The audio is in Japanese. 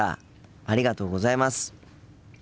ありがとうございます。